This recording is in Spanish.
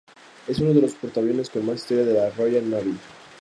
Es uno de los portaaviones con más historia de la "Royal Navy".